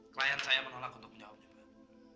klien saya menolak untuk menjawabnya pak